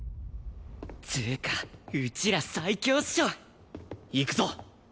つうかうちら最強っしょ！いくぞ！